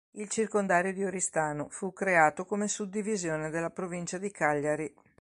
Il circondario di Oristano fu creato come suddivisione della provincia di Cagliari.